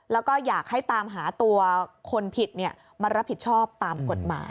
แล้วก็อยากให้ตามหาตัวคนผิดมารับผิดชอบตามกฎหมาย